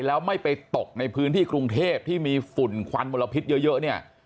แล้วไม่ไปตกในพื้นที่กรุงเทพที่มีฝุ่นควันมลพิษเยอะเนี่ย